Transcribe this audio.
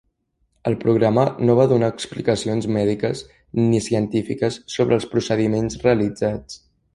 El programa no va donar explicacions mèdiques ni científiques sobre els procediments realitzats.